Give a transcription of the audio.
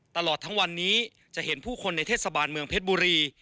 ตลอดทั้งวันนี้จะเห็นผู้คนในเทศบาลเมืองเพชรบุรี